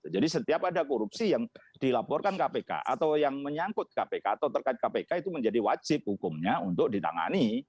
jadi setiap ada korupsi yang dilaporkan kpk atau yang menyangkut kpk atau terkait kpk itu menjadi wajib hukumnya untuk ditangani